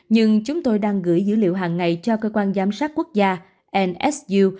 nhưng chúng tôi đang gửi dữ liệu hàng ngày cho cơ quan giám sát quốc gia nsu